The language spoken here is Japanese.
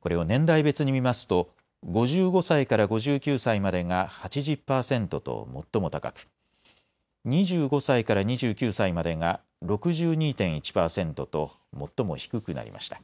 これを年代別に見ますと５５歳から５９歳までが８０％と最も高く２５歳から２９歳までが６２．１％と最も低くなりました。